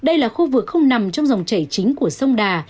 đây là khu vực không nằm trong dòng chảy chính của sông đà